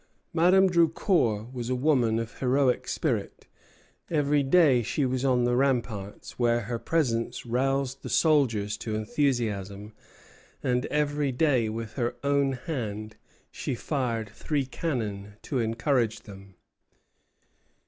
Madame Drucour was a woman of heroic spirit. Every day she was on the ramparts, where her presence roused the soldiers to enthusiasm; and every day with her own hand she fired three cannon to encourage them.